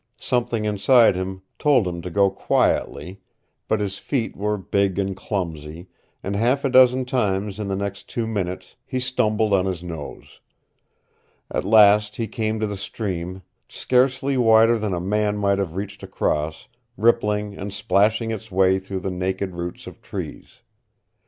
Something inside him told him to go quietly, but his feet were big and clumsy, and half a dozen times in the next two minutes he stumbled on his nose. At last he came to the stream, scarcely wider than a man might have reached across, rippling and plashing its way through the naked roots of trees.